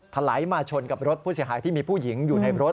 ถลายมาชนกับรถผู้เสียหายที่มีผู้หญิงอยู่ในรถ